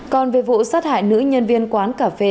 còn về vụ sát hại nữ nhân viên quán cà phê